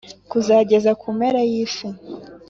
kuzageza ku mpera y'isi.